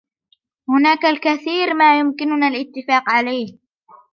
هناك الكثير ما يمكننا الإتفاق عليه.